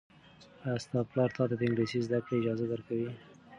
ایا ستا پلار تاته د انګلیسي زده کړې اجازه درکوي؟